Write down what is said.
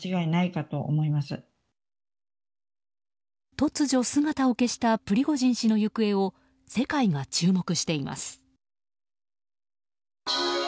突如姿を消したプリゴジン氏の行方を世界が注目しています。